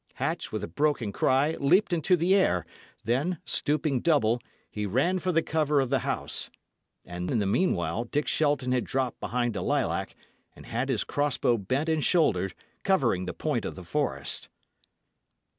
Hatch, with a broken cry, leapt into the air; then, stooping double, he ran for the cover of the house. And in the meanwhile Dick Shelton had dropped behind a lilac, and had his crossbow bent and shouldered, covering the point of the forest.